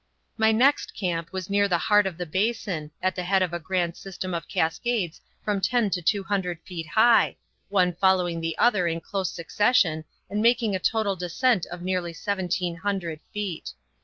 My next camp was near the heart of the basin, at the head of a grand system of cascades from ten to two hundred feet high, one following the other in close succession and making a total descent of nearly seventeen hundred feet.